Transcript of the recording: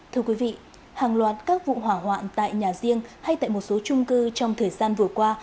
thưa quý vị hàng loạt các vụ hỏa hoạn tại nhà riêng hay tại một số trung cư trong thời gian vừa qua